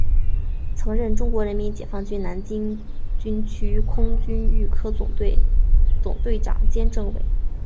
曾任中国人民解放军南京军区空军预科总队总队长兼政委。